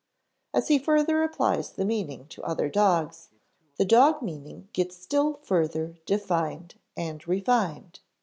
As he further applies the meaning to other dogs, the dog meaning gets still further defined and refined.